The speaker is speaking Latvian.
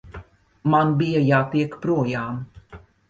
Man bija jātiek projām.